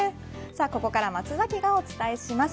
ここから松崎がお伝えします。